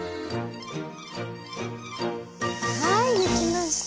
はいできました！